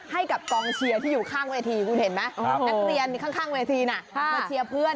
ให้กับกองเชียร์ที่อยู่ข้างเวทีเขาไปเชียร์เพื่อน